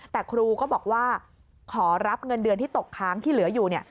แต่ครูก็บอกว่าขอรับเงินเดือนที่ตกค้างที่เหลืออยู่